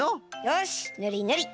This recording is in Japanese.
よしぬりぬり。